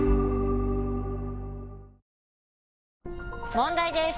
問題です！